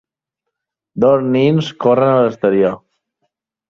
Dos nens corren a l'exterior.